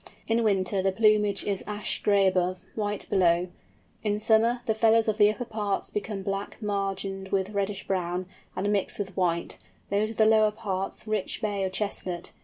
In winter, the plumage is ash gray above, white below; in summer, the feathers of the upper parts become black margined with reddish brown and mixed with white, those of the lower parts rich bay or chestnut.